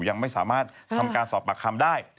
ยังไม่สามารถทำการสอบปากคำได้